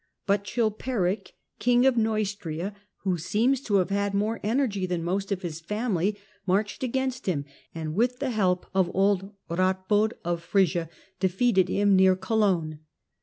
But Chilperic, King of Seustria, who seems to have had more energy than most >f his family, marched against him, and, with the help )f old Ratbod of Frisia, defeated him near Cologne.